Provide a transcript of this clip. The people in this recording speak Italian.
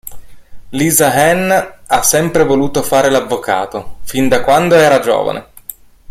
Lisa Ann ha sempre voluto fare l'avvocato, fin da quando era giovane.